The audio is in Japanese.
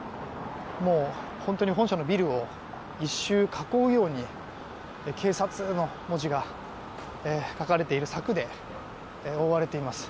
もう本当に本社のビルを１周、囲うように警察の文字が書かれている柵で覆われています。